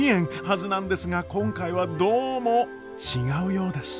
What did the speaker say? はずなんですが今回はどうも違うようです。